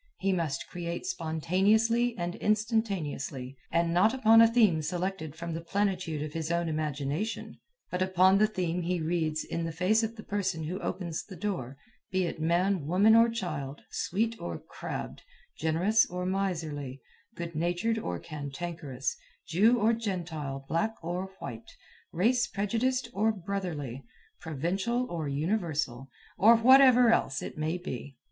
He must create spontaneously and instantaneously and not upon a theme selected from the plenitude of his own imagination, but upon the theme he reads in the face of the person who opens the door, be it man, woman, or child, sweet or crabbed, generous or miserly, good natured or cantankerous, Jew or Gentile, black or white, race prejudiced or brotherly, provincial or universal, or whatever else it may be.